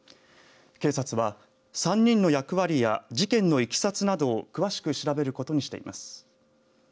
警察は３人の役割や事件のいきさつなどを詳しく調べることにしています。